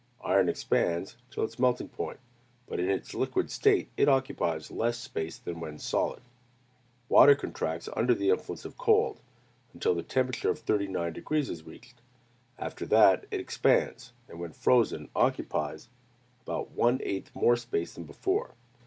Iron expands, till its melting point; but in its liquid state it occupies less space than when solid. Water contracts under the influence of cold, until the temperature of 39° is reached; after that it expands: and when frozen occupies about one eighth more space than before.